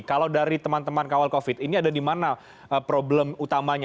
kalau dari teman teman kawal covid ini ada di mana problem utamanya